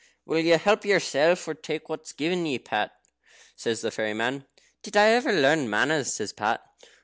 "Will you help yourself, or take what's given ye, Pat?" says the fairy man. "Did I ever learn manners?" says Pat.